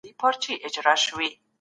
چارواکو به ځانګړي استازي لیږل.